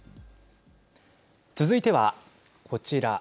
続いてはこちら。